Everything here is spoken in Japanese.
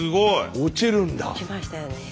落ちましたよね。